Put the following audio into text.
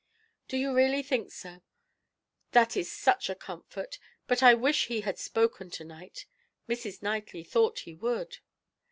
"Do you really think it is so? That is such a comfort; but I wish he had spoken to night. Mrs. Knightley thought he would."